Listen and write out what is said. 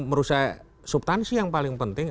menurut saya subtansi yang paling penting